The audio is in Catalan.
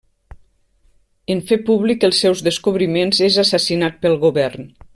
En fer públic els seus descobriments és assassinat pel govern.